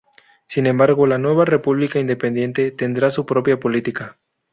Sin embargo, la nueva República independiente tendrá su propia política.